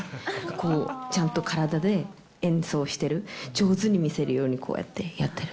こう、ちゃんと体で演奏してる、上手に見せるように、こうやってやってる。